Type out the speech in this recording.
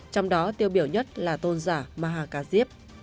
trong đó tiêu biểu nhất là tôn giả maha kha dip